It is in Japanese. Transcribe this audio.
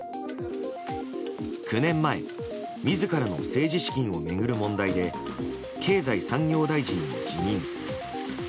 ９年前自らの政治資金を巡る問題で経済産業大臣を辞任。